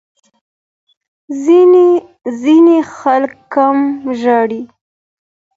ځینې خلک کم ژاړي.